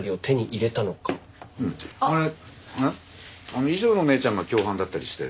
あの衣装の姉ちゃんが共犯だったりして。